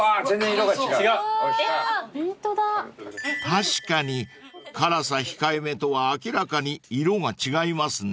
［確かに辛さ控えめとは明らかに色が違いますね］